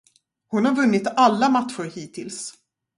Hon har vunnit alla matcher hittills.